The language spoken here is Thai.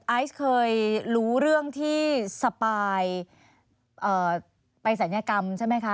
ไอซ์เคยรู้เรื่องที่สปายไปศัลยกรรมใช่ไหมคะ